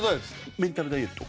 メンタルダイエット。